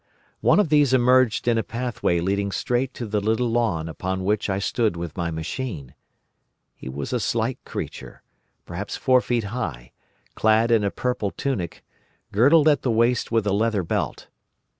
One of these emerged in a pathway leading straight to the little lawn upon which I stood with my machine. He was a slight creature—perhaps four feet high—clad in a purple tunic, girdled at the waist with a leather belt.